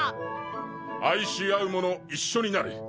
愛し合う者一緒になる。